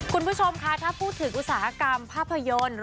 คุณผู้ชมคะถ้าพูดถึงอุตสาหกรรมภาพยนตร์